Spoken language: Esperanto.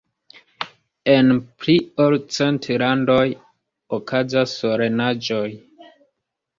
En pli ol cent landoj okazas solenaĵoj.